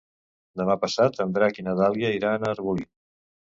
Demà passat en Drac i na Dàlia iran a Arbolí.